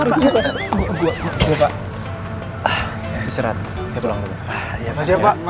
terima kasih pak